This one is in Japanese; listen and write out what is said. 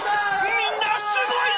みんなすごいぞ！